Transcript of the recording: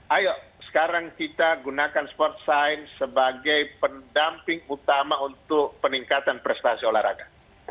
ayo sekarang kita gunakan sport science sebagai pendamping utama untuk peningkatan prestasi olahraga